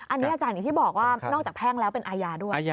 อันนี้อาจารย์อย่างที่บอกว่านอกจากแพ่งแล้วเป็นอาญาด้วย